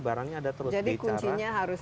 barangnya ada terus jadi kuncinya harus